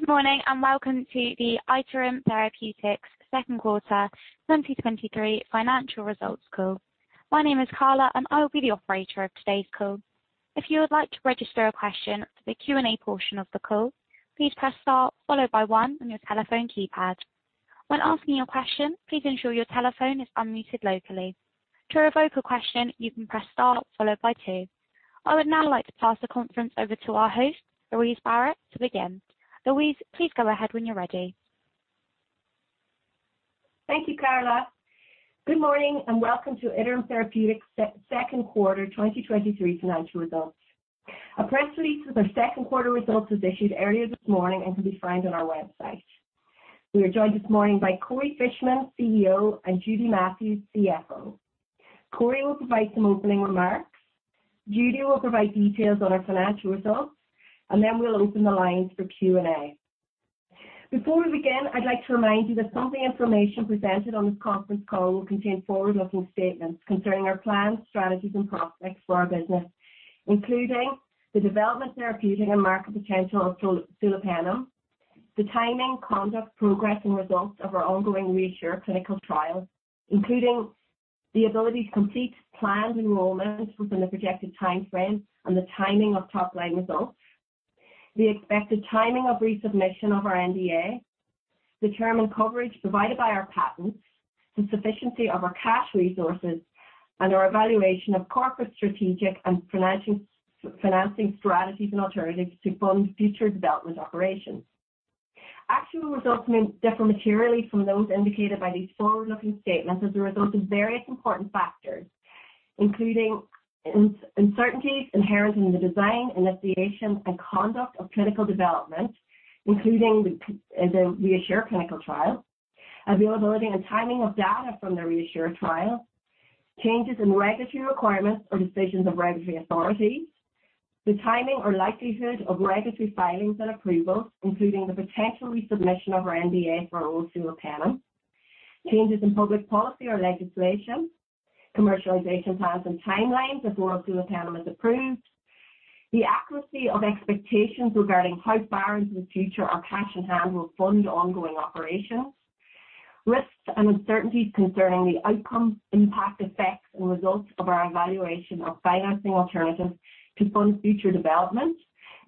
Good morning, welcome to the Iterum Therapeutics Q2 2023 financial results call. My name is Carla, I will be the operator of today's call. If you would like to register a question for the Q&A portion of the call, please press star followed by one on your telephone keypad. When asking your question, please ensure your telephone is unmuted locally. To revoke a question, you can press star followed by two. I would now like to pass the conference over to our host, Louise Barrett, to begin. Louise, please go ahead when you're ready. Thank you, Carla. Good morning, and welcome to Iterum Therapeutics Q2 2023 financial results. A press release with our Q2 results was issued earlier this morning and can be found on our website. We are joined this morning by Corey Fishman, CEO, and Judy Matthews, CFO. Corey will provide some opening remarks. Judy will provide details on our financial results, and then we'll open the lines for Q&A. Before we begin, I'd like to remind you that some of the information presented on this conference call will contain forward-looking statements concerning our plans, strategies, and prospects for our business, including the development, therapeutic, and market potential of sulopenem, the timing, conduct, progress, and results of our ongoing REASSURE clinical trials, including the ability to complete planned enrollment within the projected timeframe and the timing of top-line results, the expected timing of resubmission of our NDA, the term and coverage provided by our patents, the sufficiency of our cash resources, and our evaluation of corporate, strategic, and financing, financing strategies and alternatives to fund future development operations. Actual results may differ materially from those indicated by these forward-looking statements as a result of various important factors, including uncertainties inherent in the design, initiation, and conduct of clinical development, including the REASSURE clinical trial, availability and timing of data from the REASSURE trial, changes in regulatory requirements or decisions of regulatory authorities, the timing or likelihood of regulatory filings and approvals, including the potential resubmission of our NDA for oral sulopenem, changes in public policy or legislation, commercialization plans and timelines if oral sulopenem is approved. The accuracy of expectations regarding how far into the future our cash on hand will fund ongoing operations, risks and uncertainties concerning the outcome, impact, effects, and results of our evaluation of financing alternatives to fund future development,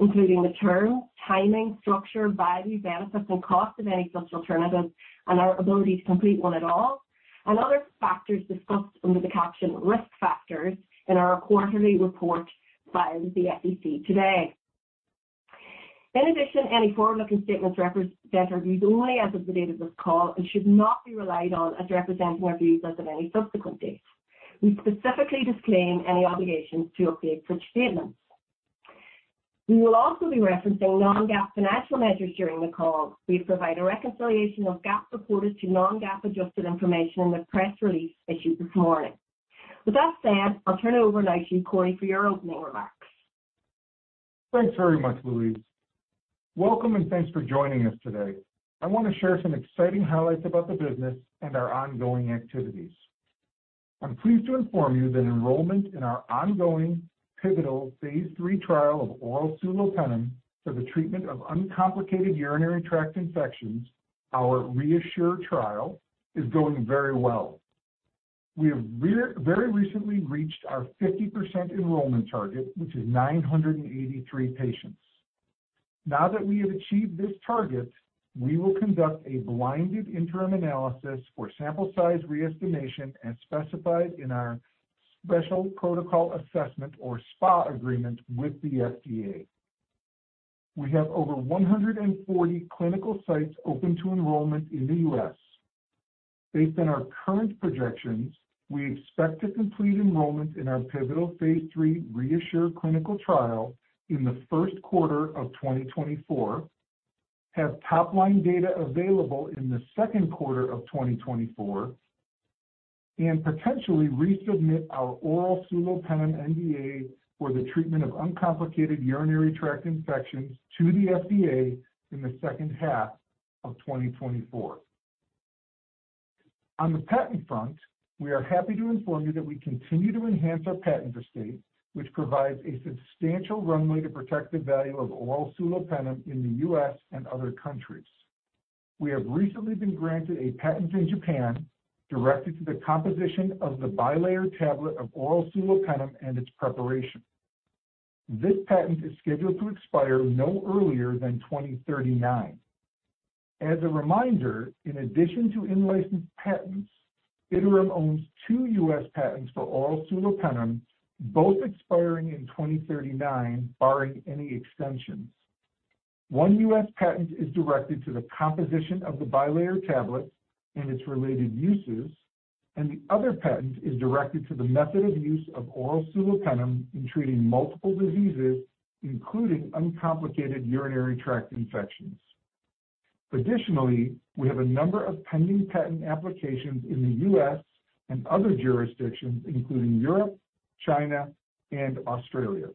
including the terms, timing, structure, value, benefits, and cost of any such alternatives and our ability to complete one at all, and other factors discussed under the caption Risk Factors in our quarterly report filed with the SEC today. In addition, any forward-looking statements reference that are viewed only as of the date of this call and should not be relied on as representing our views as of any subsequent date. We specifically disclaim any obligation to update such statements. We will also be referencing non-GAAP financial measures during the call. We provide a reconciliation of GAAP reported to non-GAAP adjusted information in the press release issued this morning. With that said, I'll turn it over now to you, Corey, for your opening remarks. Thanks very much, Louise. Welcome, and thanks for joining us today. I want to share some exciting highlights about the business and our ongoing activities. I'm pleased to inform you that enrollment in our ongoing pivotal phase 3 trial of oral sulopenem for the treatment of uncomplicated urinary tract infections, our REASSURE trial, is going very well. We have very recently reached our 50% enrollment target, which is 983 patients. Now that we have achieved this target, we will conduct a blinded interim analysis for sample size re-estimation as specified in our Special Protocol Assessment, or SPA agreement with the FDA. We have over 140 clinical sites open to enrollment in the U.S. Based on our current projections, we expect to complete enrollment in our pivotal Phase 3 REASSURE clinical trial in the Q1 of 2024, have top-line data available in the Q2 of 2024, and potentially resubmit our oral sulopenem NDA for the treatment of uncomplicated urinary tract infections to the FDA in the second half of 2024. On the patent front, we are happy to inform you that we continue to enhance our patent estate, which provides a substantial runway to protect the value of oral sulopenem in the US and other countries. We have recently been granted a patent in Japan directed to the composition of the bilayer tablet of oral sulopenem and its preparation. This patent is scheduled to expire no earlier than 2039. As a reminder, in addition to in-licensed patents, Iterum owns two U.S. patents for oral sulopenem, both expiring in 2039, barring any extensions. One U.S. patent is directed to the composition of the bilayer tablet and its related uses, and the other patent is directed to the method of use of oral sulopenem in treating multiple diseases, including uncomplicated urinary tract infections. Additionally, we have a number of pending patent applications in the U.S. and other jurisdictions, including Europe, China, and Australia.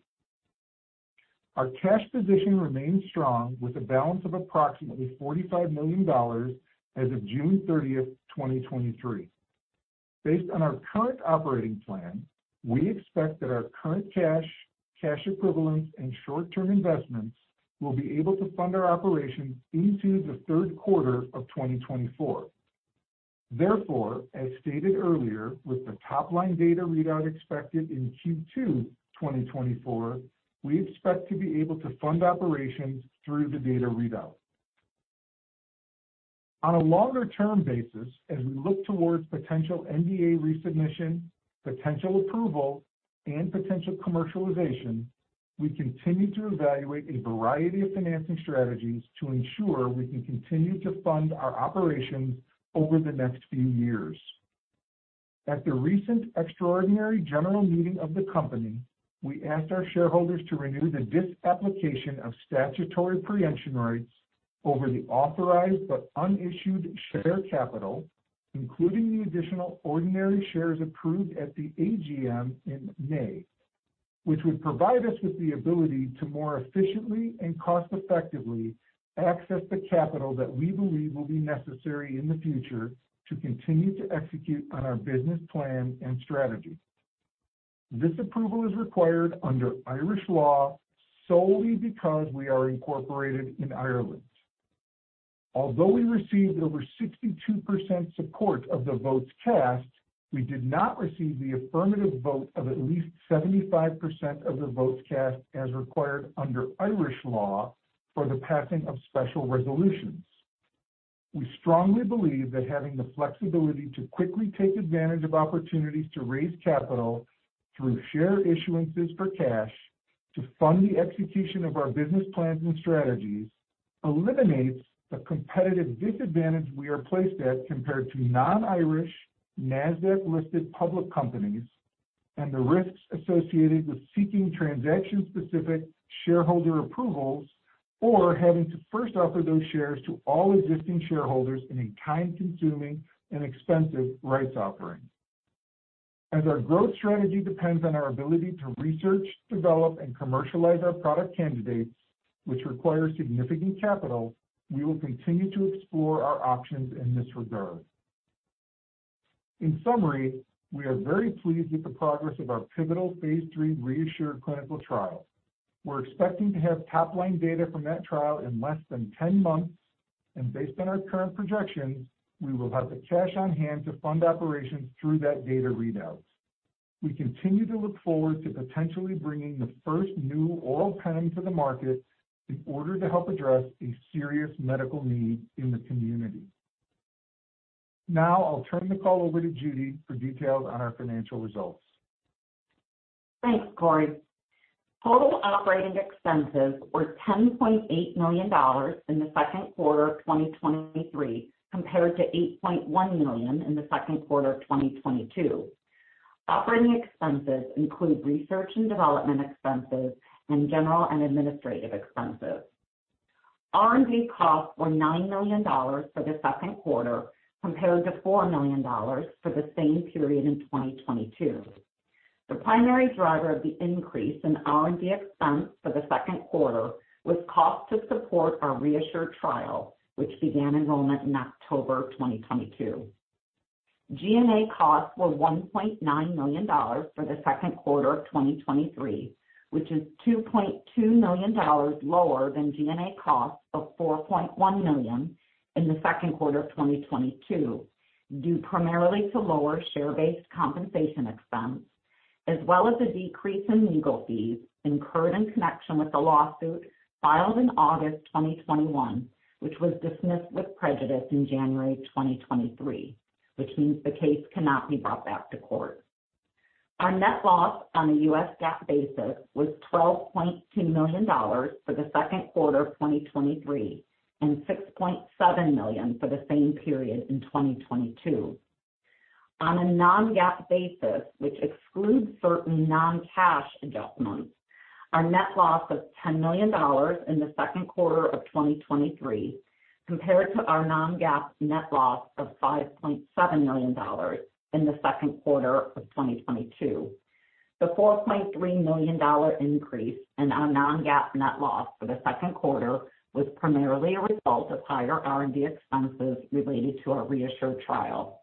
Our cash position remains strong, with a balance of approximately $45 million as of June 30th, 2023. Based on our current operating plan, we expect that our current cash, cash equivalents, and short-term investments will be able to fund our operations into the Q3 of 2024. As stated earlier, with the top-line data readout expected in Q2 2024, we expect to be able to fund operations through the data readout. On a longer-term basis, as we look towards potential NDA resubmission, potential approval, and potential commercialization, we continue to evaluate a variety of financing strategies to ensure we can continue to fund our operations over the next few years. At the recent extraordinary general meeting of the company, we asked our shareholders to renew the disapplication of statutory preemption rights over the authorized but unissued share capital, including the additional ordinary shares approved at the AGM in May, which would provide us with the ability to more efficiently and cost-effectively access the capital that we believe will be necessary in the future to continue to execute on our business plan and strategy. This approval is required under Irish law solely because we are incorporated in Ireland. Although we received over 62% support of the votes cast, we did not receive the affirmative vote of at least 75% of the votes cast, as required under Irish law for the passing of special resolutions. We strongly believe that having the flexibility to quickly take advantage of opportunities to raise capital through share issuances for cash to fund the execution of our business plans and strategies eliminates the competitive disadvantage we are placed at compared to non-Irish Nasdaq-listed public companies, and the risks associated with seeking transaction-specific shareholder approvals, or having to first offer those shares to all existing shareholders in a time-consuming and expensive rights offering. As our growth strategy depends on our ability to research, develop, and commercialize our product candidates, which require significant capital, we will continue to explore our options in this regard. In summary, we are very pleased with the progress of our pivotal Phase 3 REASSURE clinical trial. We're expecting to have top-line data from that trial in less than 10 months, and based on our current projections, we will have the cash on hand to fund operations through that data readout. We continue to look forward to potentially bringing the first new oral penem to the market in order to help address a serious medical need in the community. Now, I'll turn the call over to Judy for details on our financial results. Thanks, Corey. Total operating expenses were $10.8 million in the Q2 of compared to $8.1 million in the Q2 of 2022. operating expenses include research and development expenses and general and administrative expenses. R&D costs were $9 million for the Q2, compared to $4 million for the same period in 2022. The primary driver of the increase in R&D expense for the Q2 was cost to support our REASSURE trial, which began enrollment in October 2022. G&A costs were $1.9 million for the Q2 of 2023, which is $2.2 million lower than G&A costs of $4.1 million in the Q2 of 2022, due primarily to lower share-based compensation expense, as well as a decrease in legal fees incurred in connection with the lawsuit filed in August 2021, which was dismissed with prejudice in January 2023, which means the case cannot be brought back to court. Our net loss on a US GAAP basis was $12.2 million for the Q2 of 2023, and $6.7 million for the same period in 2022. On a non-GAAP basis, which excludes certain non-cash adjustments, our net loss of $10 million in the Q2 of 2023 compared to our non-GAAP net loss of $5.7 million in the Q2 of 2022. The $4.3 million increase in our non-GAAP net loss for the Q2 was primarily a result of higher R&D expenses related to our REASSURE trial.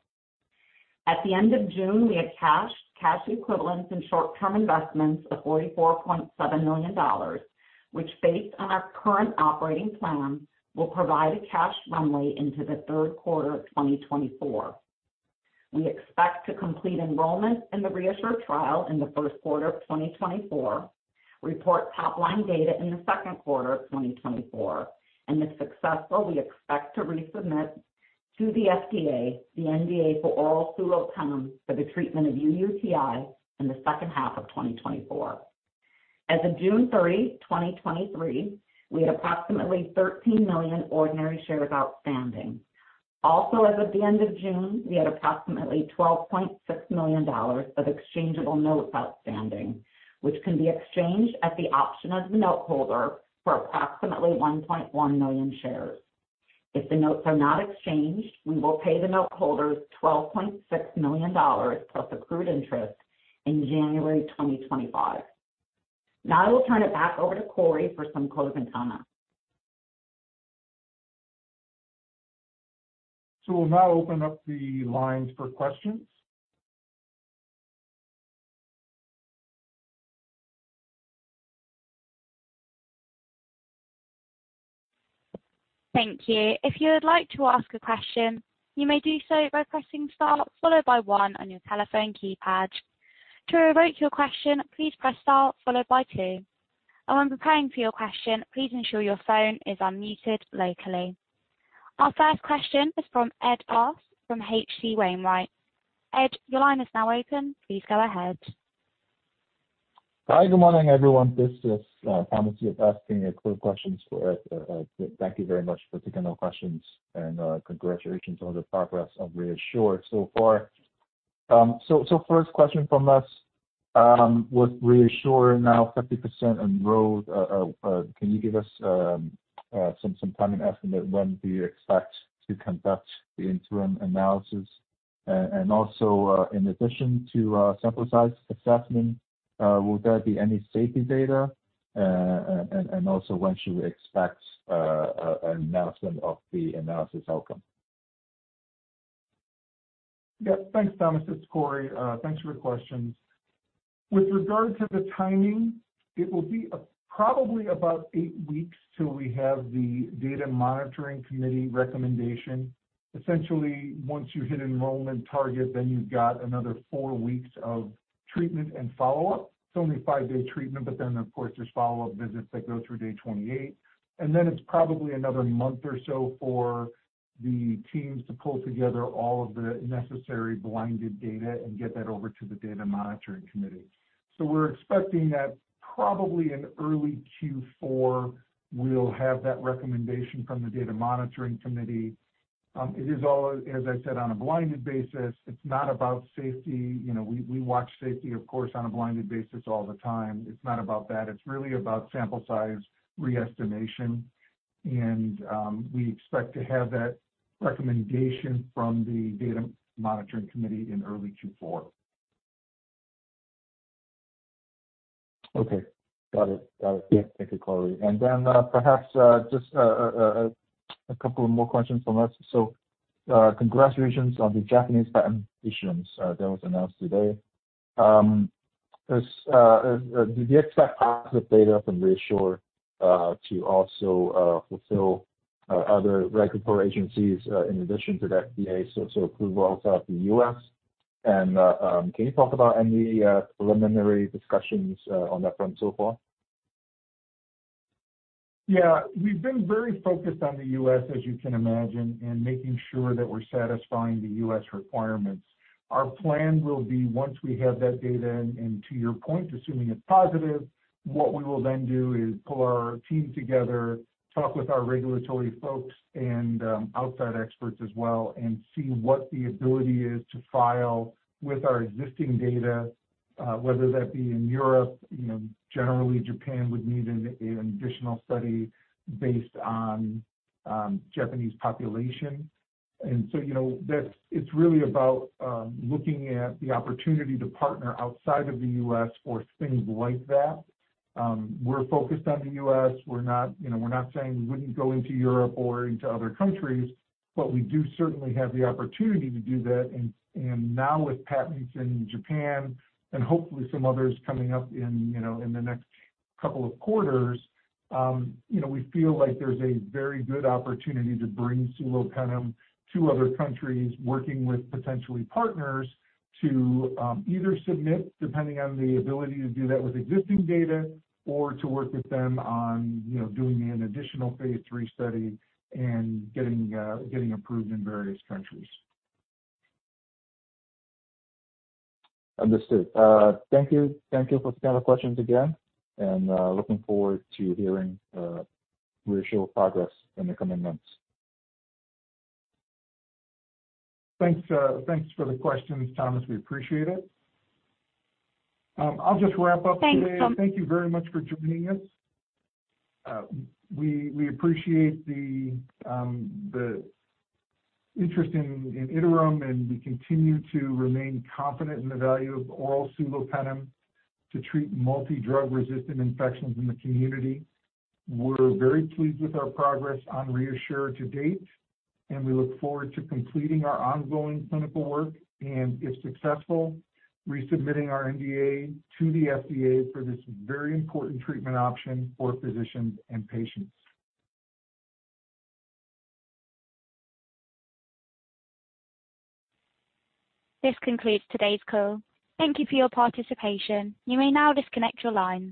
At the end of June, we had cash, cash equivalents, and short-term investments of $44.7 million, which, based on our current operating plan, will provide a cash runway into the Q3 of 2024. We expect to complete enrollment in the REASSURE trial in the Q1 of 2024, report top-line data in the Q2 of 2024, and if successful, we expect to resubmit to the FDA the NDA for oral sulopenem for the treatment of UTI in the second half of 2024. As of June 3, 2023, we had approximately 13 million ordinary shares outstanding. Also, as of the end of June, we had approximately $12.6 million of Exchangeable Notes outstanding, which can be exchanged at the option of the note holder for approximately 1.1 million shares. If the notes are not exchanged, we will pay the note holders $12.6 million plus accrued interest in January 2025. Now I will turn it back over to Corey for some closing comments. We'll now open up the lines for questions. Thank you. If you would like to ask a question, you may do so by pressing star followed by 1 on your telephone keypad. To revoke your question, please press star followed by 2. When preparing for your question, please ensure your phone is unmuted locally. Our first question is from Ed Arce from H.C. Wainwright. Ed, your line is now open. Please go ahead. Hi, good morning, everyone. This is Thomas, asking a quick questions for. Thank you very much for taking our questions, and congratulations on the progress of REASSURE so far. So first question from us, with REASSURE now 50% enrolled, can you give us some, some timing estimate when do you expect to conduct the interim analysis? Also, in addition to sample size assessment, will there be any safety data? Also, when should we expect an announcement of the analysis outcome? Yeah. Thanks, Thomas. It's Corey. Thanks for your questions. With regard to the timing, it will be, probably about 8 weeks till we have the data monitoring committee recommendation. Essentially, once you hit enrollment target, then you've got another 4 weeks of treatment and follow-up. It's only a 5-day treatment, but then, of course, there's follow-up visits that go through day 28. Then it's probably another month or so for the teams to pull together all of the necessary blinded data and get that over to the data monitoring committee. We're expecting that probably in early Q4, we'll have that recommendation from the data monitoring committee. It is all, as I said, on a blinded basis. It's not about safety. You know, we, we watch safety, of course, on a blinded basis all the time. It's not about that. It's really about sample size re-estimation. We expect to have that recommendation from the data monitoring committee in early Q4. Okay. Got it. Got it. Yeah. Thank you, Corey. Perhaps just a couple of more questions from us. Congratulations on the Japanese patent issuance that was announced today. As do you expect positive data from REASSURE to also fulfill other regulatory agencies in addition to the FDA, so approval outside the US? Can you talk about any preliminary discussions on that front so far? Yeah. We've been very focused on the US, as you can imagine, in making sure that we're satisfying the US requirements. Our plan will be once we have that data, and, and to your point, assuming it's positive, what we will then do is pull our team together, talk with our regulatory folks and outside experts as well, and see what the ability is to file with our existing data, whether that be in Europe, You know, generally, Japan would need an, an additional study based on Japanese population. You know, that's, it's really about looking at the opportunity to partner outside of the US for things like that. We're focused on the US. We're not, you know, we're not saying we wouldn't go into Europe or into other countries, but we do certainly have the opportunity to do that. Now with patents in Japan and hopefully some others coming up in, you know, in the next couple of quarters, you know, we feel like there's a very good opportunity to bring sulbactam to other countries, working with potentially partners to, either submit, depending on the ability to do that with existing data, or to work with them on, you know, doing an additional Phase 3 study and getting, getting approved in various countries. Understood. Thank you. Thank you for taking our questions again, looking forward to hearing REASSURE progress in the coming months. Thanks, thanks for the questions, Thomas. We appreciate it. I'll just wrap up today. Thanks, Tom. Thank you very much for joining us. We, we appreciate the interest in, in Iterum, and we continue to remain confident in the value of oral sulopenem to treat multi-drug resistant infections in the community. We're very pleased with our progress on REASSURE to date, and we look forward to completing our ongoing clinical work, and, if successful, resubmitting our NDA to the FDA for this very important treatment option for physicians and patients. This concludes today's call. Thank you for your participation. You may now disconnect your lines.